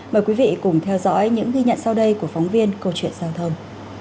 mời quý vị cùng theo dõi những ghi nhận sau đây của phóng viên câu chuyện giao thông